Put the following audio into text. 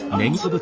豚。